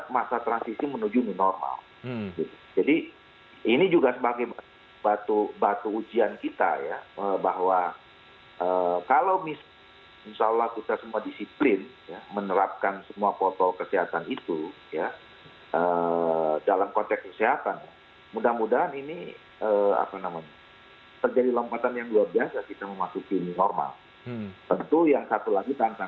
mas agus melas dari direktur sindikasi pemilu demokrasi